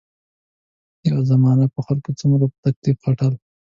یوه زمانه به خلک څومره په تکلیف ختل.